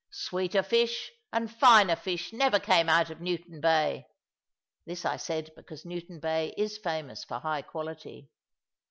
Sweeter fish and finer fish never came out of Newton Bay" this I said because Newton Bay is famous for high quality.